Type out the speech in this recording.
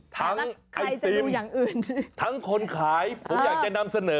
ไอติมทั้งคนขายผมอยากจะนำเสนอ